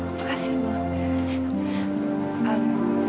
terima kasih mbak